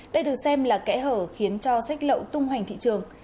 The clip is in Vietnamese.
đây được xem là kẽ hở khiến cho sách lậu tung hoành thị trường